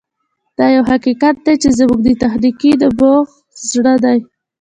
دا یو حقیقت دی چې زما د تخنیکي نبوغ زړه دی